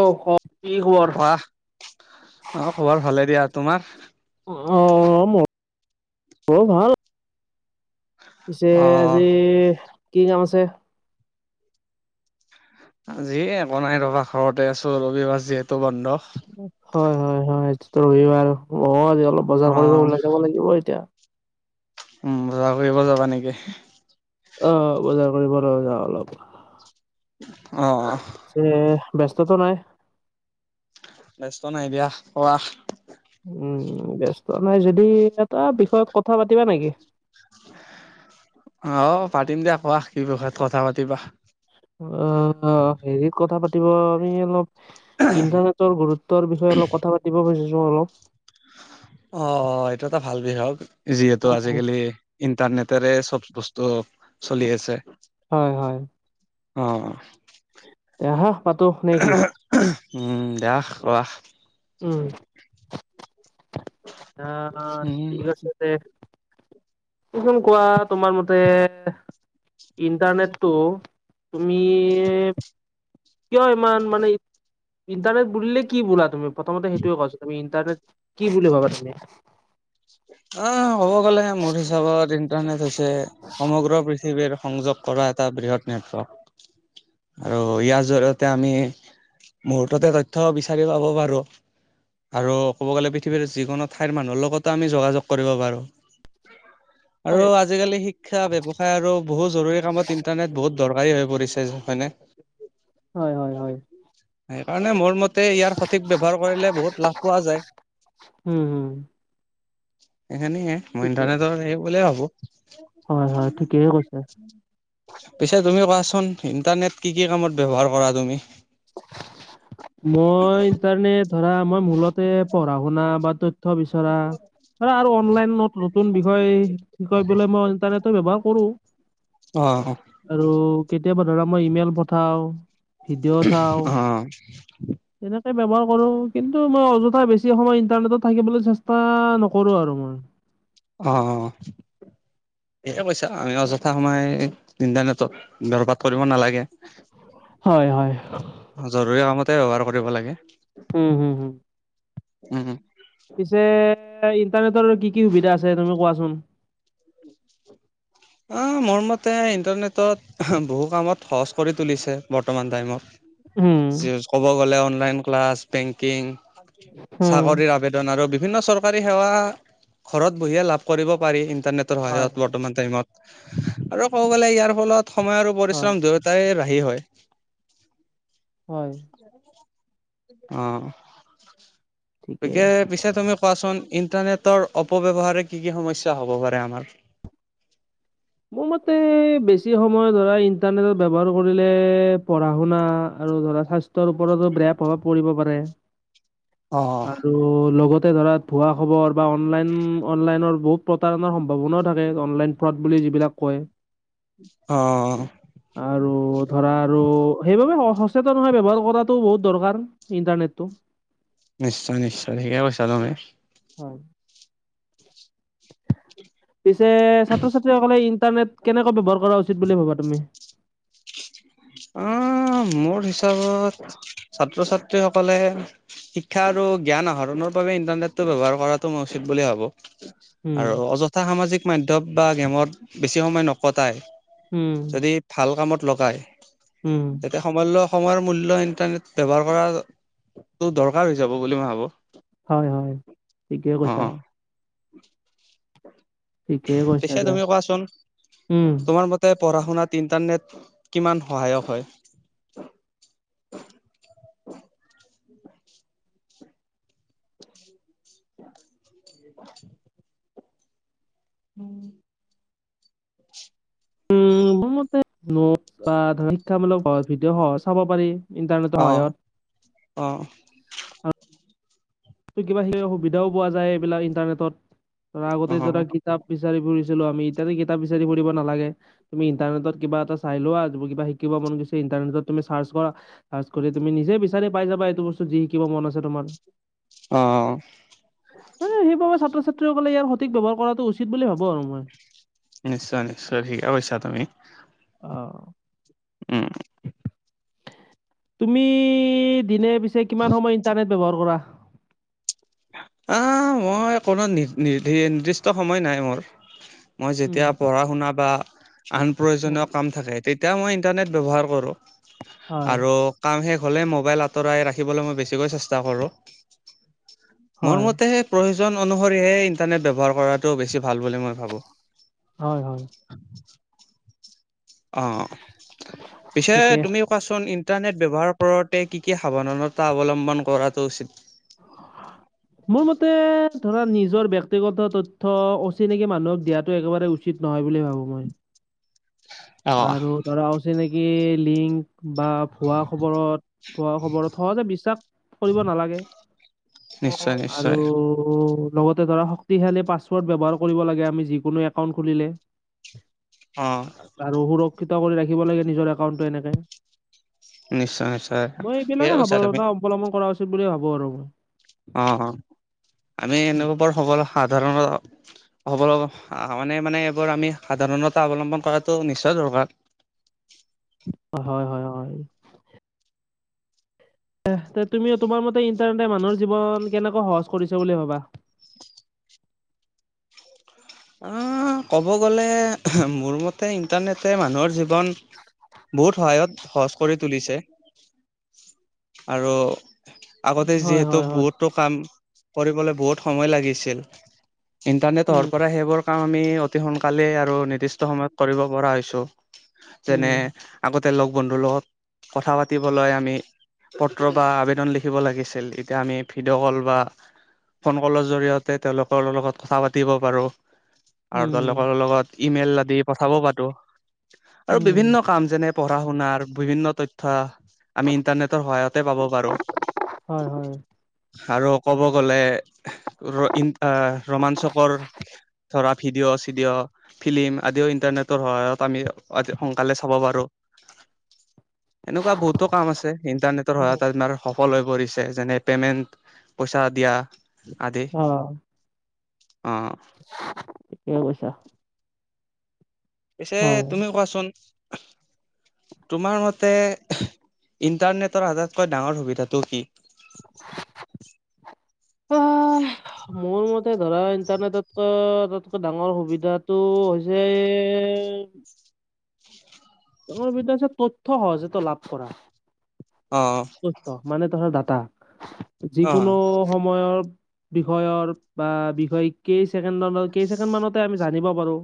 অ' অ কি খবৰ? মোৰ খবৰ ভালে দিয়া তোমাৰ? অ' মোৰো ভাল। পিছে অ আজি কি কাম আছে? আজি একো নাই ৰবা ঘৰতে আছো ৰবিবাৰ যিহেতু বন্ধ। হয় হয় হয়, এইটো ৰবিবাৰ মইয়ো অলপ অ বজাৰ কৰিব ওলাই যাব লাগিব এতিয়া। উম, বজাৰ কৰিব যাবা নেকি? অ বজাৰ কৰিব ৰ যা অলপ [unintelligible] অঁ। পিছে ব্যস্ততো নাই। ব্যস্ত নাই দিয়া কোৱা? উম বস্ত নাই যদি এটা বিষয়ত কথা পাতিবা নেকি? অ' অ' পাতিম দিয়া কোৱা কি বিষয়ত কথা পাতিবা। অ' হেৰিত কথা পাতিব আমি অলপ ইণ্টাৰনেট। গুৰুত্বৰ বিষয়ে অলপ কথা পতিব বিুজিছোঁ অলপ। অ' এইটো এটা ভাল বিষয় হয় যিহেতু আজিকালি। ইন্টাৰনেটেৰে চব বস্তু চলি আছে। হয় হয় অঁ। আহা পাতো নেকি। উম, দিয়া কোৱা। উম। আহ! উম ঠিক আছে দে। কচোন কোৱা তোমাৰ মতে ইণ্টাৰনেটটো। তুমি। কিয় ইমান মানে ইণ্টাৰনেট বুলিলে কি বোলা তুমি প্ৰথমতে সেইটোয়ে কোৱাচোন তুমি। কি বুলি ভাবা তুমি? অ' ক'ব গ'লে মোৰ হিচাপত ইণ্টাৰনেট হৈছে। সমগ্ৰ পৃথিৱীৰ সংযোগ কৰা এটা বৃহৎ নেটৱৰ্ক। আৰু ইয়াৰ জৰিয়তে আমি। মুহুৰ্ততে তথ্য বিচাৰি পাব পাৰো। আৰু ক'ব গ'লে পৃথিৱীৰ যিকোনো ঠাইৰ মানুহৰ লগত। আমি যোগাযোগ কৰিব পাৰো আৰু। হয়। আজিকালি শিক্ষা ব্যৱসায় আৰু বহু জৰুৰী কামত ইণ্টাৰনেট বহুত দৰকাৰী হৈ পৰিছে। হয়নে? হয় হয় হয় সেইকাৰণে মোৰ মতে। তে ইয়াৰ সঠিক ব্যৱহাৰ কৰিলে বহুত লাভ পোৱা যায়। উুম হুম। সেইখিন মই ইন্টাৰনেটৰ হেৰী বুলি হয় হয় ঠিকেই কৈছা। [unintelligible] পিছে তুমি কোৱাচোন ইণ্টাৰনেট কি কি কামত ব্যৱহাৰ কৰা তুমি মই ইণ্টাৰনেট ধৰা মই মূলতে পঢ়া শুনা বা ত থ বিচৰা আৰ আৰু অনলাইন ন নতুন বিষয় কি কয় বোলে মই ইণ্টাৰনেটৰ ব্যৱহাৰ কৰো অ অ আৰু কেতিয়াবা ধৰা মই ইমেইল পঠাও ভিডিঅ'ছ অ তেনেকে ব্যৱহাৰ কৰো কিন্তু মই অযথা বেছি সময় ইণ্টাৰনেটত থাকিবলৈ চেষ্টা নকৰো আৰু মই অ অ এয়ে কৈছা আমি অযথা সময় ইণ্টাৰনেটত বৰবাত কৰিব নালাগে হয় হয় জৰুৰী কামতে ব্যৱহাৰ কৰিব লাগে হু হু হু হু পিছে ইণ্টাৰনেটৰ কি কি সুবিধা আছে তুমি কোৱাচোন অ মোৰ মতে ইণ্টাৰনেটত বহু কামত সহজ কৰি তুলিছে বৰ্তমান টাইমত উম চিয়েছ ক'ব গ'লে অনলাইন ক্লাছ বেংকিং হুম। চাকৰিৰ আবে দন আৰু বিভিন্ন চৰকাৰী সেৱা ঘৰত বহিয়ে লাভ কৰিব পাৰি ইণ্টাৰনেট টৰ হয় সহায়ত বৰ্তমান টাইমত আৰু ক'ব গ'লে ইয়াৰ ফলত সময় আৰু হয় পৰিশ্ৰম দুয় টাই ৰাহি হয় হয় অ ঠিকে। তিকে পিছে তুমি কোৱাচোন ইণ্টাৰনেটৰ অপব্যৱহাৰে কি কি সমস্যা হ'ব পাৰে আমাৰ মোৰ মতে বেছি সময় ধৰা ইন্টাৰনেটত ব্যৱহাৰ কৰিলে পঢ়া শুনা আৰু ধৰা স্বাস্থ স্থৰ ওপৰতো বেয়া প্ৰভাৱ পৰিব পাৰে অ'। আৰু ত' লগতে ধৰা ভুৱা খবৰ বা অনলাইন অনলাইনৰ বহুত প্ৰতাৰণাৰ সম্ভাৱনাও থাকে অনলাইন ফ্ৰত বুলি যিবিলাক কয় অ আৰু ধৰা আৰু সেইবাবে স সচেতন হয় ব্যৱহাৰ কৰাতটো বহুত দৰকাৰ ইণ্টাৰনেটটো নিশ্চয় নিশ্চয় ঠিকে কৈছা তুমি হয় পিছে ছাত্ৰ ছাত্ৰী সকলে ইণ্টাৰনেট কেনেকৈ ব্যৱহাৰ কৰা উচিত বুলি ভাবা তুমি অ মোৰ হিচাপত ছাত্ৰ ছাত্ৰীসকলে শিক্ষা আৰু জ্ঞান আহৰণৰ বাবে ইন্টাৰনেটটো ব্যৱহাৰ কৰাটো মই উচিত বুলি ভাবো উম, আৰু অযথা সামাজিক মাধ্যয়ম বা গেমত বেছি সময় নকটাই উম, যদি ভাল কামত লগায় উম এ সমল্য সময়ৰ মূল্য ইন্টাৰনেট ব্যৱহাৰ কৰাটো দৰকাৰ হৈ যাব বুলি মই ভাবোঁ হয় হয় ঠিকে কৈছা ঠিকে কৈছা পিছে দিয়া। তুমি উম, কোৱাচোন তোমাৰ ম তে পঢ়া শুনাত ইণ্টাৰনেট কিমান সহায়ক হয় [unintelligible] উ উম মোৰ মতে নোট বা ধৰ শিক্ষামূলক ভিডিঅ' সহ চাব পাৰি ইণ্টাৰনেটৰ অহ সহায়ত। অহ তোৰ কিবা আহিলে অহ সুবিধাও পোৱা যায় এইবিলাক ইন্টাৰনেটত ধৰা আগতে ধৰা অ', কিতাপ বিচাৰি ফুৰিছিলোঁ আমি এতিয়া যে কিতাপ বিচাৰি ফুৰিব নালাগে তুমি ইণ্টাৰনেটত কিবা এটা চাই লোৱা‌ তুমি কিবা শিকিব মন গৈছে ইণ্টাৰনেটত তুমি চাচ কৰা চাৰ্চ কৰি তুমি নিজেই বিচাৰি পাই যাবা এইটো বস্তু যি শিকিব মন আছে তোমাৰ অহ অহ এই সেইবাবে ছাত্ৰ ছাত্ৰীসকলে ইয়াৰ সঠিক ব্যৱহাৰ কৰাটো উচিত বুলি ভাবো আৰু মই নিশ্চয় নিশ্চয় ঠিকেই‌ কৈছা তুমি অহ উম। তুমি দিনে পিছে কিমান সময় ইন্টাৰনেট ব্যৱহাৰ কৰা আহ মই কোনো নি নিৰ্দিষ্ট সময় নাই মোৰ মই যেতিয়া উম পঢ়া শুনা বা আন উম প্ৰয়োজনীয় কাম থাকে তেতিয়া মই ইণ্টাৰনেট ব্যৱহাৰ কৰোঁ হয় আৰু কাম শেষ হ'লে মোবাইল আঁতৰাই ৰাখিবলৈ মই বেছিকৈ চেষ্টা কৰোঁ মোৰ হয় মতে সেই প্ৰয়োজন অনুসৰিয়ে ইন্টাৰনেট ব্যৱহাৰ কৰাটো বেছি ভাল বুলি মই ভাবোঁ হয় হয় অহ পিছে ঠিকে তুমি কোৱাচোন ইন্টাৰনেট ব্যৱহাৰ কৰোঁতে কি কি সাৱধানতা অৱলম্বন কৰাটো উচিত [unintelligible] মোৰ মতে ধৰা নিজৰ ব্যক্তিগত তথ্য অচিনাকি মানুহক দিয়াটো একেবাৰে উচিত নহয় বুলি ভাবোঁ মই অঁ আৰু ধৰা অচিনাকি লিংক বা ভুৱা খবৰত ভুৱা খবৰত সহজে বিশ্বাস কৰিব নালাগে কক নিশ্চয় আৰু তো নিশ্চয় লগতে ধৰা শক্তিশালী পাছৱৰ্ড ব্যৱহাৰ কৰিব লাগে আমি যিকোনো একাউণ্টত খুলিলে অহ আৰু সুৰক্ষিত কৰি ৰাখিব লাগে নিজৰ একাউন্টটো এনেকে নিশ্চয় নিশ্চয় মই ঠিকে এইবিলাকে কৈছা তুমি সাৱধানতা অৱলম্বন কৰা উচিত বুলি ভাৱোঁ আৰু অহ আমি উম এনেকুৱা বৰ খবৰ সাধাৰণত হ'ব ল'ব মানে মানে এইবোৰ আমি সাৱধানতা অৱলম্বন কৰাটো নিশ্চয় দৰকাৰ হয় হয় হয় হয় যে তুমি তোমাৰ মতে ইণ্টাৰনেটে মানুহৰ জীৱন কেনেকৈ সহজ কৰিছে বুলি ভাবা উম ক'ব গ'লে মোৰ মতে ইণ্টাৰনেটে মানুহৰ জীৱন বহুত সহায়ত সহজ কৰি তুলিছে আৰু আগতে হয় যিহেতু হয় হয় বহুতো কাম কৰিবলে বহুত সময় লাগিছিল ইন্টাৰনেট অহাৰ উম পৰা সেইবোৰ কাম আমি অতি সোনকালেই আৰু নিৰ্দিষ্ট সময়ত কৰিব পৰা হৈছো যেনে উম আগতে লগ বন্ধুৰ লগত কথা পাতিবলৈ আমি পত্ৰ বা আবেদন লিখিব লাগিছিল এতিয়া আমি ভিডিঅ' কল বা ফোন কলৰ জৰিয়তে তেওঁলোকৰ লগত কথা পাতিব পাৰোঁ আৰু উম তেওঁলোকৰ লগত ইমেইল আদি পঠাব পাৰোঁ আৰু উম বিভিন্ন কাম যেনে পঢ়া শুনাৰ বিভিন্ন তথ্য আমি ইন্টাৰনেটৰ সহায়তে পাব পাৰোঁ হয় হয় আৰু ক'ব গলে ৰ ইন অহ ৰোমাঞ্চকৰ ধৰা ভিডিঅ' চিডিঅ' ফিল্ম আদিও ইণ্টাৰনেটৰ সহায়ত আমি সোনকালে চাব পাৰো [unintelligible] এনেকুৱা বহুতো কাম আছে ইণ্টাৰনেটৰ উম সহায়ত আমাৰ সফল হৈ পৰিছে যেনে পেমেণ্ট পইচা দিয়া আদি অ ঠিকেই কৈছা পিছে হয় তুমি কোৱাচোন [inaudible] তোমাৰ মতে ইণ্টাৰনেটৰ আটাইতকৈ ডাঙৰ সুবিধাটো কি ব [unintelligible] মোৰ মতে ধৰা ইণ্টাৰনেটকৈ আটাইতকৈ ডাঙৰ সুবিধাটো হৈছে ডাঙৰ বিদ্য হৈছে তথ্য সহজতে লাভ কৰা অ তথ্য মানে ধৰা ডাটা অ যিকোনো সময়ৰ বিষয়ৰ বা বিষয় কেইছেকেণ্ড কেইছেকেণ্ড মানতে আমি জানিব পাৰো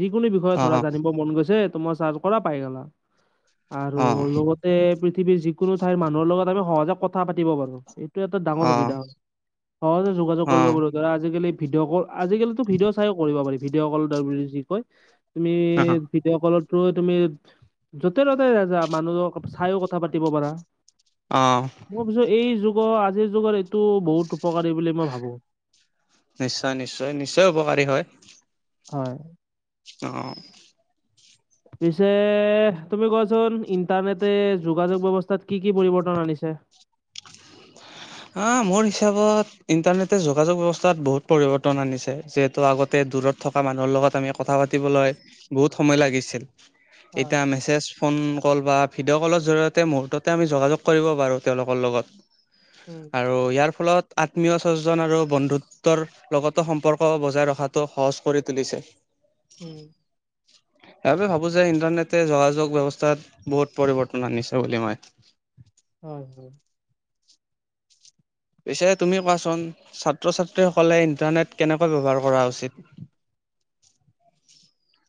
যিকোনো বিষয়ে অ ধৰা অ জানিব মন গৈছে তোমাৰ চাৰ্জ কৰা পাই গালা অ আৰু লগত পৃথিৱীৰ যিকোনো ঠাইৰ মানুহৰ লগত আমি সহজে কথা পাতিব পাৰো এইটো এটা ডাঙৰ অ সুবিধা হয় সহজে যোগাযোগ অ কৰিব পাৰো ধৰা আজিকালি ভিডিঅ' কল আজিকালিতো ভিডিঅ' চাই কৰিব পাৰি ভিডিঅ' কল তা বুলি যি কয় তুমি অ ভিডিঅ' কলটো তুমি য'তে-ত'তে মানুহক চাইয়ো কথা পাতিব পাৰা অ মই ভাবিছো এই যুগৰ আজিৰ যুগৰ এইটো বহুত উপকাৰী বুলি মই ভাবো নিশ্চয় নিশ্চয় নিশ্চয় উপকাৰী হয় হয় অ'। পিছে তুমি কোৱাচোন ইণ্টাৰনেটে যোগাযোগ ব্যৱস্থাত কি কি পৰিৱৰ্তন আনিছে? অ', মোৰ হিচাপত ইণ্টাৰনেটে যোগাযোগ ব্যৱস্থাত বহুত পৰিৱৰ্তন আনিছে যিহেতু আগতে দূৰত থকা মানুহৰ লগত আমি কথা পাতিবলৈ বহুত সময় লাগিছিল হয় এতিয়া মেছেজ ফোন কল বা ভিডিঅ' কলৰ জৰিয়তে মুহূৰ্ততে আমি যোগাযোগ কৰিব পাৰো তেওঁলোকৰ লগত। উম আৰু ইয়াৰ ফলত আত্মীয় স্বজন আৰু বন্ধুত্বৰ লগতো সম্পৰ্ক বজাই ৰখাটো সহজ কৰি তুলিছে। উম। সেইবাবে ভাবো যে ইণ্টাৰনেটে যোগাযোগ ব্যৱস্থাত বহুত পৰিৱৰ্তন আনিছে বুলি মই। হয় হয়। পিছে তুমি কোৱাচোন ছাত্ৰ ছাত্ৰীসকলে ইণ্টাৰনেট কেনেকুৱা ব্যৱহাৰ কৰা উচিত?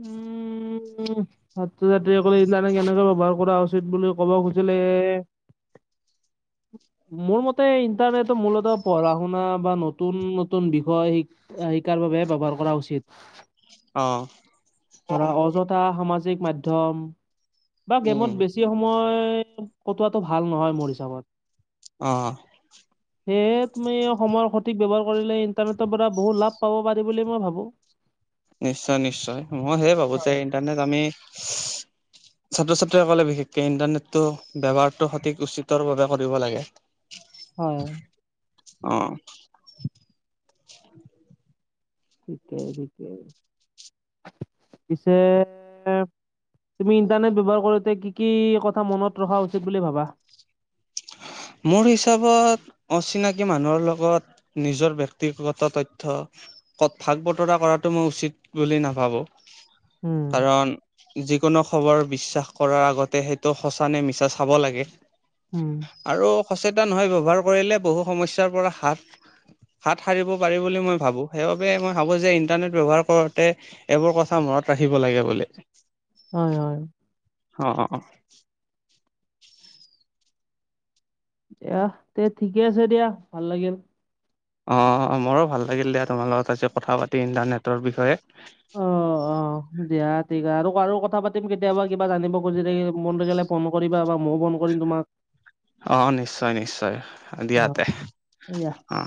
উম। উম ছাত্ৰ ছাত্ৰীসকলে ইণ্টাৰনেট কেনেকে ব্যৱহাৰ কৰা উচিত বুলি ক'ব খুজিছিলে [unintelligible] মোৰ মতে ইণ্টাৰনেটৰ মূলত পঢ়া শুনা বা নতুন নতুন বিষয় শিক শিকাৰ বাবে ব্যৱহাৰ কৰা উচিত। অ'। পঢ়া, অযথা সামাজিক মাধ্যম বা গেমত উম। বেছি সময় কটোৱাটো ভাল নহয় মোৰ হিচাপত। অ'। [unintelligible] সেয়েহে তুমি সময়ৰ সঠিক ব্যৱহাৰ কৰিলে ইণ্টাৰনেটৰ পৰা বহু লাভ পাব পাৰি বুলি মই ভাবো। নিশ্চয় নিশ্চয় মই সেই ভাবো যে হয় ইণ্টাৰনেট আমি ছাত্ৰ ছাত্ৰীসকলে বিশেষকে ইণ্টাৰনেটটো ব্যৱহাৰটো সঠিক উচিতৰ বাবে কৰিব লাগে। হয়। অ'। থিকেই ঠিকে পিছে তুমি ইণ্টাৰনেট ব্যৱহাৰ কৰোতে কি কি কথা মনত ৰখা উচিত বুলি ভাবা। মোৰ হিচাপত অচিনাকি মানুহৰ লগত নিজৰ ব্যক্তিগত তথ্য কত ভাগ বতৰা কৰাটো মই উচিত বুলি নাভাবো। উম কাৰণ যিকোনো খবৰ বিশ্বাস কৰাৰ আগতে সেইটো সঁচানে মিছা চাব লাগে। উম। আৰু সচেতন হৈ ব্যৱহাৰ কৰিলে বহু সমস্যাৰ পৰা হাত হাত সাৰিব পাৰি বুলি মই ভাবো সেইবাবে মই ভাবোঁ যে ইণ্টাৰনেট ব্যৱহাৰ কৰোতে এইবোৰ কথা মনত ৰাখিব লাগে বোলে হয় হয়। অ', অ', অ'। এয়া তে ঠিকে আছে দিয়া ভাল লাগিল। অ', মোৰো ভাল লাগিল দিয়া তোমাৰ লগত আজি কথা পাতি ইণ্টাৰনেটৰ বিষয়ে। অ', অ'। অ', দিয়া ঠিক আৰু আৰু কথা পাতিম কেতিয়াবা কিবা জানিব খুজি থাকি মনটো গলে ফ নটো কৰিবা বা মইও ফোন কৰিম তোমাক। অ', নিশ্চয় নিশ্চয় দিয়াতে অ'।